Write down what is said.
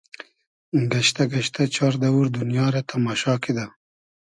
گئشتۂ گئشتۂ چار دئوور دونیا رۂ تئماشا کیدۂ